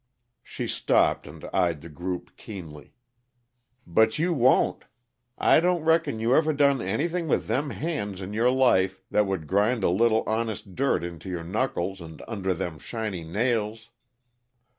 She stopped and eyed the group keenly. "But you won't. I don't reckon you ever done anything with them hands in your life that would grind a little honest dirt into your knuckles and under them shiny nails!"